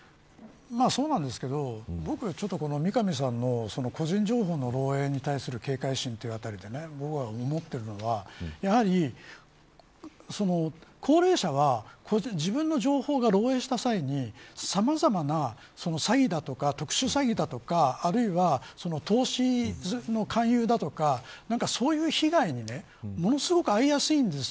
そうなんですけど三上さんの、個人情報の漏えいに対する警戒心、というあたりで思うのは高齢者は自分の情報が漏えいした際にさまざまな詐欺だとか特殊詐欺だとかあるいは投資の勧誘だとかそういう被害にものすごく遭いやすいんです。